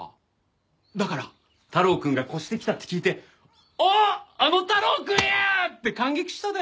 だから太郎くんが越してきたって聞いてあっあの太郎くんや！って感激したで。